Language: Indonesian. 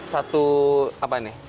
satu apaan ya